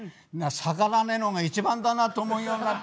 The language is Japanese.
逆らわねえのが一番だなと思うようなった。